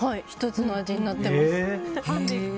１つの味になってます。